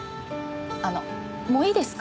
あのもういいですか？